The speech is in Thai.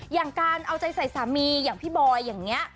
อย่างการเอาใจใส่สามีอย่างพี่บอยอย่างนี้